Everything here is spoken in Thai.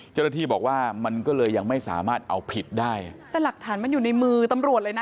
เจ้าหน้าที่บอกว่ามันก็เลยยังไม่สามารถเอาผิดได้แต่หลักฐานมันอยู่ในมือตำรวจเลยนะ